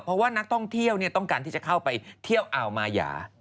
เพราะว่านักท่องเที่ยวต้องการที่จะเข้าไปเที่ยวอาวมายา